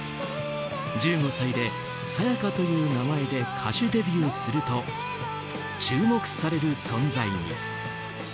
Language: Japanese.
１５歳でＳＡＹＡＫＡという名前で歌手デビューすると注目される存在に。